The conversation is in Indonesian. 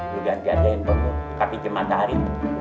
lo gantian gantian bang dikati jam satu hari